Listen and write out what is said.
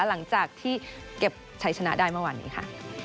หลังจากที่เก็บชัยชนะได้เมื่อวานนี้ค่ะ